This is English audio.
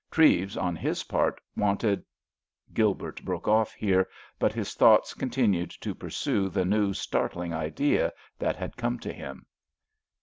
Treves, on his part, wanted—— Gilbert broke off here, but his thoughts continued to pursue the new, startling idea that had come to him.